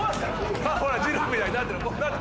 「ほらじろうみたいになってる！」